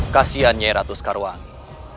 kasiannya ratu sekarwangi